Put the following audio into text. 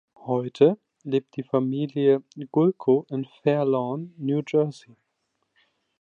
Heute lebt die Familie Gulko in Fair Lawn (New Jersey).